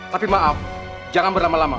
tapi maaf jangan berlama lama